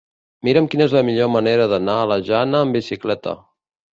Mira'm quina és la millor manera d'anar a la Jana amb bicicleta.